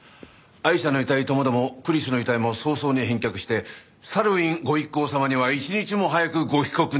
アイシャの遺体共々クリスの遺体も早々に返却してサルウィンご一行様には一日も早くご帰国願う。